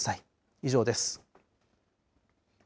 以上です。